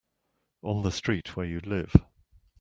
On the street where you live.